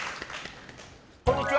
こんにちは。